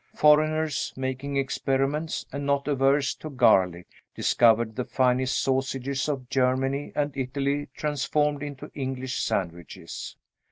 Foreigners, making experiments, and not averse to garlic, discovered the finest sausages of Germany and Italy transformed into English sandwiches.